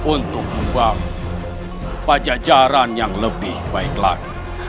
untuk membangun pajajaran yang lebih baik lagi